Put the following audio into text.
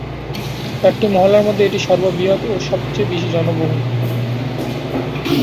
চারটি মহল্লার মধ্যে এটি সর্ববৃহৎ ও সবচেয়ে বেশি জনবহুল।